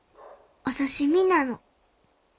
お刺身なの」。